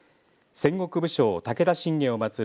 戦国武将、武田信玄を祭る